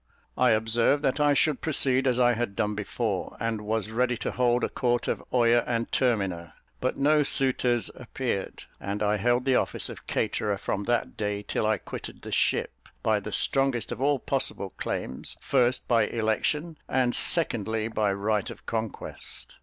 I observed that I should proceed as I had done before, and was ready to hold a court of Oyer and Terminer; but no suitors appeared, and I held the office of caterer from that day till I quitted the ship, by the strongest of all possible claims first, by election; and, secondly, by right of conquest.